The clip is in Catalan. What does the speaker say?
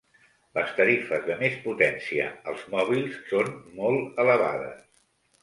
Les tarifes de més potència als mòbils són molt elevades.